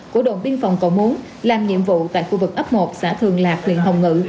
của đồn biên phòng cầu muốn làm nhiệm vụ tại khu vực ấp một xã thường lạc huyện hồng ngự